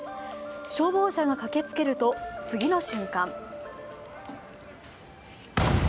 消防車が駆けつけると次の瞬間